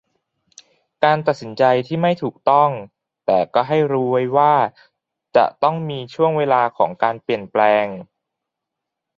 การตัดสินใจที่ไม่ถูกต้อง แต่ก็ให้รู้ว่าจะต้องมีช่วงเวลาของการเปลี่ยนแปลง